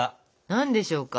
何でしょうか？